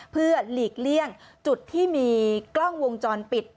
เพื่อหลีกเลี่ยงจุดที่มีกล้องวงจรปิด